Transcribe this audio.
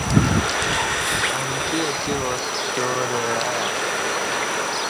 امکی اچی واس پتیارہ ایہ